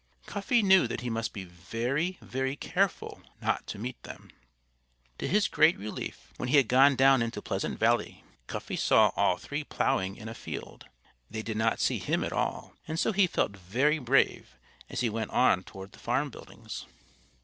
Cuffy knew that he must be very, very careful not to meet them. To his great relief, when he had gone down into Pleasant Valley Cuffy saw all three ploughing in a field. They did not see him at all. And so he felt very brave as he went on toward the farm buildings.